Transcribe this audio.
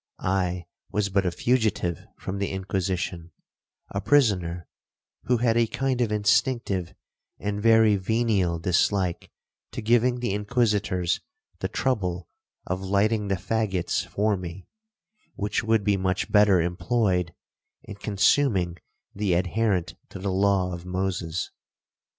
I was but a fugitive from the Inquisition,—a prisoner, who had a kind of instinctive and very venial dislike to giving the Inquisitors the trouble of lighting the faggots for me, which would be much better employed in consuming the adherent to the law of Moses.